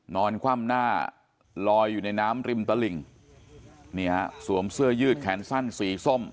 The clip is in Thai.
คว่ำหน้าลอยอยู่ในน้ำริมตลิ่งนี่ฮะสวมเสื้อยืดแขนสั้นสีส้ม